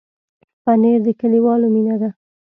پنېر د کلیوالو مینه ده.